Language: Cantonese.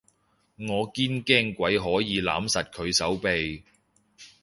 我堅驚鬼可以攬實佢手臂